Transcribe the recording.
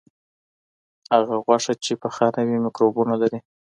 هغه غوښه چې پخه نه وي، مکروبونه لري.